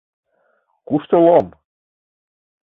Кушто лом?